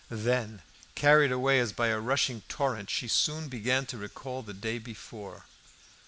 Then, carried away as by a rushing torrent, she soon began to recall the day before.